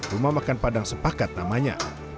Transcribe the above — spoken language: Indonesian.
rumah makan padang sepakat namanya